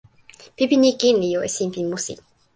pipi ni kin li jo e sinpin musi.